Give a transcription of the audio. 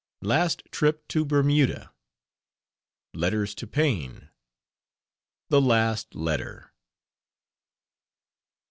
LAST TRIP TO BERMUDA. LETTERS TO PAINE. THE LAST LETTER.